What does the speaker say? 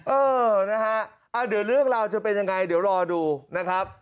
เออนะฮะเดี๋ยวเรื่องราวจะเป็นยังไงเดี๋ยวรอดูนะครับ